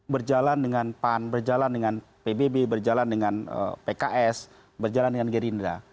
berjalan dengan pan berjalan dengan pbb berjalan dengan pks berjalan dengan gerindra